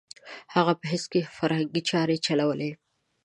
هغه په حزب کې فرهنګي چارې چلولې.